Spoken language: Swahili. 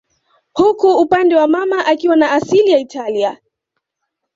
huku upande wa mama akiwa na asili ya Italia